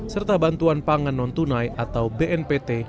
serta bantuan pangan non tunai atau bnpt